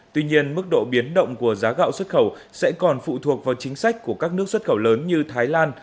tuy nhiên mức độ biến động của giá gạo xuất khẩu sẽ còn phụ thuộc vào chính sách của các nước xuất khẩu lớn như thái lan